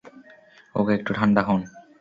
ওকে, একটু ঠান্ডা হোন।